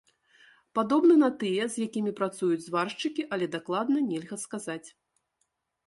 Падобны на тыя, з якімі працуюць зваршчыкі, але дакладна нельга сказаць.